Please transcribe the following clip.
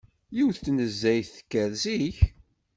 Yiwet n tnezzayt tekker zik.